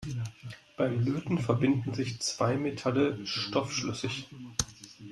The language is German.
Beim Löten verbinden sich zwei Metalle stoffschlüssig.